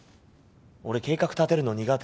俺計画立てるの苦手。